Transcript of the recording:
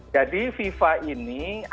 jadi fifa ini agak